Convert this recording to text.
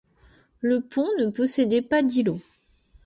Le pont ne possédait pas d'îlot.